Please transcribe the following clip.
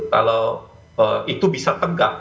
kalau itu bisa tegak